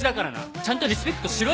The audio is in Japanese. ちゃんとリスペクトしろよ。